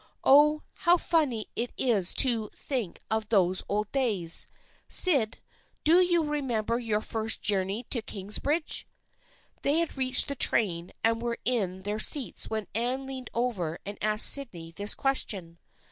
Oh, how funny it is to think of those old days ! Syd, do you remember your first journey to Kingsbridge ?" They had reached the train and were in their seats when Anne leaned over and asked Sydney this question.